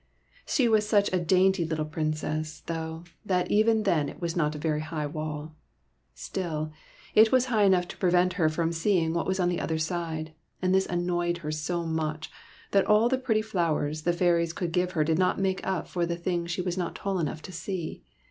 She was such a dainty little Princess, though, that even then it was not a very high wall. Still, it was high enough to prevent her from seeing what was on the other side ; and this annoyed her so much that all the pretty flowers the fairies could give her did not make up for the things she was not tall enough to see.